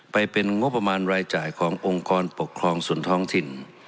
ไปเป็นงบประมาณรายจ่ายขององค์กรปกครองส่วนท้องถิ่น